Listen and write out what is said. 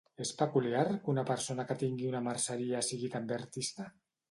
És peculiar que una persona que tingui una merceria sigui també artista?